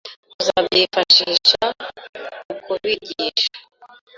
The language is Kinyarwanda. Tuzabyifashisha mu kubigisha.